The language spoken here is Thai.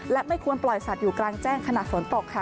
และไม่ควรปล่อยสัตว์อยู่กลางแจ้งขณะฝนตกค่ะ